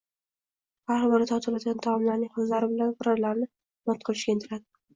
Har biri tortiladigan taomlarning xillari bilan bir-birlarini mot qilishga intiladi